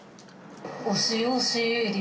おしおしり